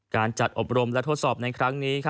การจัดอบรมและทดสอบในครั้งนี้